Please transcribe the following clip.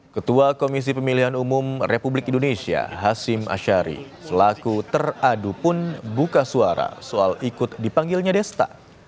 ketua komisi pemilihan umum republik indonesia hashim ashari selaku teradu pun buka suara soal ikut dipanggilnya desta